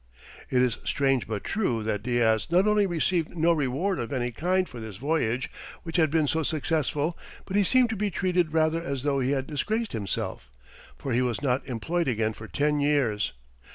It is strange but true, that Diaz not only received no reward of any kind for this voyage which had been so successful, but he seemed to be treated rather as though he had disgraced himself, for he was not employed again for ten years.